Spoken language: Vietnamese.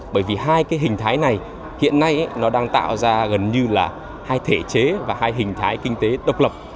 bởi vì hai cái hình thái này hiện nay nó đang tạo ra gần như là hai thể chế và hai hình thái kinh tế độc lập